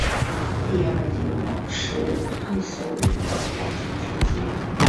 第二丁卯是一艘日本海军军舰。